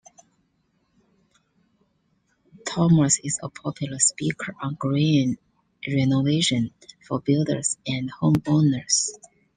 Thomas is a popular speaker on green renovation for builders and homeowners.